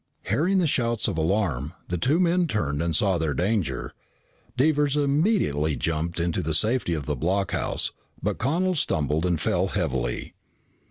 Hearing the shouts of alarm, the two men turned and saw their danger. Devers immediately jumped into the safety of the blockhouse, but Connel stumbled and fell heavily.